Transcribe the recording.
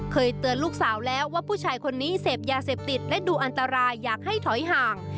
เคยเตือนลูกสาวแล้วว่าผู้ชายคนนี้เสพยาเสพติดและดูอันตรายอยากให้ถอยห่าง